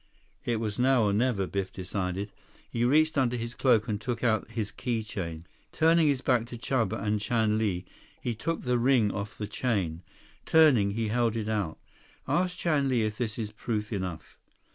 141 It was now or never, Biff decided. He reached under his cloak and took out his key chain. Turning his back to Chuba and Chan Li, he took the ring off the chain. Turning, he held it out. "Ask Chan Li if this is proof enough?"